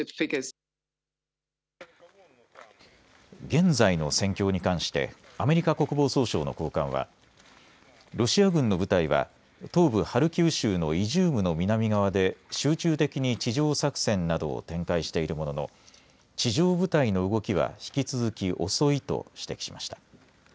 現在の戦況に関してアメリカ国防総省の高官はロシア軍の部隊は東部ハルキウ州のイジュームの南側で集中的に地上作戦などを展開しているものの地上部隊の動きは引き続き遅いと指摘しました。